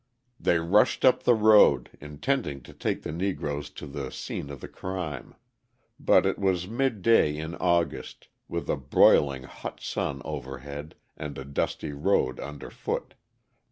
They rushed up the road, intending to take the Negroes to the scene of the crime. But it was midday in August, with a broiling hot sun overhead and a dusty road underfoot.